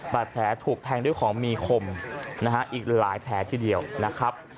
บาดแผลถูกแทงด้วยของมีคมนะฮะอีกหลายแผลทีเดียวนะครับ